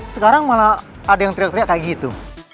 sekarang malah ada yang teriak teriak kayak gitu